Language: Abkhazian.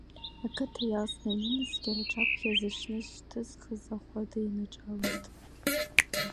Ақыҭа иалсны ианынаскьа, рҿаԥхьа зыҽнышьҭызхыз ахәада инаҿалеит.